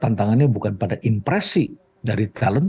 tantangannya bukan pada impresi dari talent